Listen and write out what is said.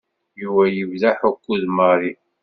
Yuba yebda aḥukku d Mary.